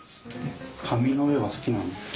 紙の上が好きなんですね？